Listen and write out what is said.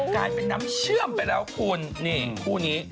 กลายเป็นน้ำเชื่อมไปแล้วคุณนี่คู่นี้